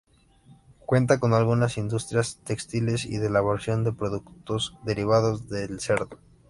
Cuenta con algunas industrias textiles y de elaboración de productos derivados del cerdo.